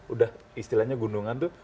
udah istilahnya gunungan tuh